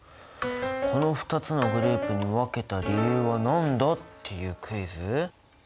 この２つのグループに分けた理由はなんだ？っていうクイズ。